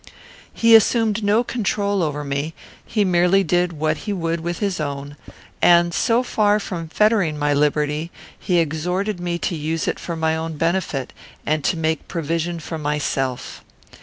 He assumed no control over me; he merely did what he would with his own, and, so far from fettering my liberty, he exhorted me to use it for my own benefit, and to make provision for myself.